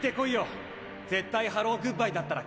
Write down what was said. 絶対ハローグッバイだったら活躍できる！